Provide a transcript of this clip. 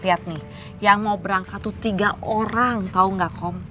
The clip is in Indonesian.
lihat nih yang mau berangkat itu tiga orang tau gak kom